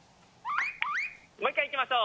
もう一回いきましょう。